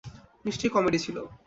নিশ্চয় কমেডি ছিল।